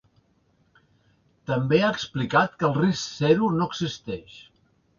També ha explicat que ‘el risc zero no existeix’.